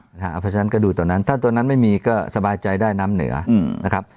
เพราะฉะนั้นก็ดูตอนนั้นถ้าตัวนั้นไม่มีก็สบายใจได้น้ำเหนือนะครับ